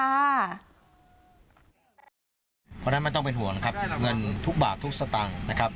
เพราะฉะนั้นไม่ต้องเป็นห่วงนะครับเงินทุกบาททุกสตางค์นะครับ